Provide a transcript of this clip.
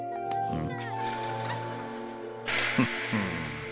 うん？